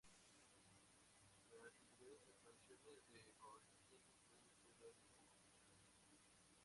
Las anteriores expansiones, de coeficientes pueden ser reales o complejas.